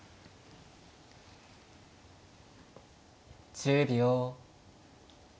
１０秒。